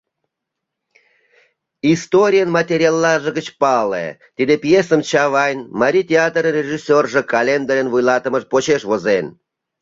Историйын материаллаже гыч пале: тиде пьесым Чавайн Марий театрын режиссёржо Календерын вуйлатымыж почеш возен.